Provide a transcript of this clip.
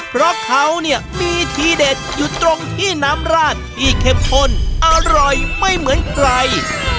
เพราะเขาเนี่ยมีทีเด็ดอยู่ตรงที่น้ำราดที่เข้มข้นอร่อยไม่เหมือนใคร